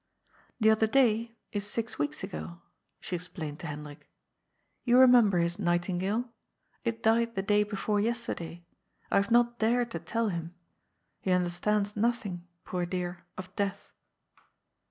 "* The other day ' is six weeks ago," she explained to Hendrik. *' You re member his nightingale. It died the day before yesterday. I have not dared to tell him. He understands nothing, poor dear, of death."